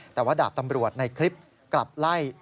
แต่ว่าดาบตำรวจในคลิปกลับไล่